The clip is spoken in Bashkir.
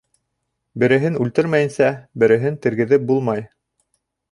Береһен үлтермәйенсә, береһен тергеҙеп булмай.